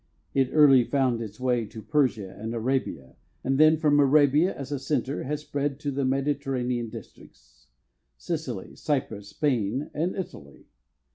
It early found its way to Persia and Arabia, and then from Arabia as a center has spread to the Mediterranean districts, Sicily, Cyprus, Spain and Italy.